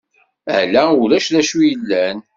Ala ulac d acu yellan.